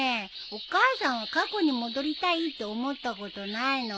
お母さんは過去に戻りたいって思ったことないの？